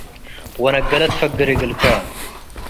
ወነገለት ትፈግር እግልከ።